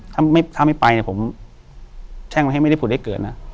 ถ้าไม่ไปผมแช่งมาให้ไม่ได้ผลให้เกิดนะ